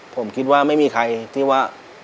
ผมคิดว่าไม่มีใครที่ว่า